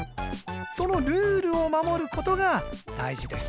そのルールを守ることが大事です。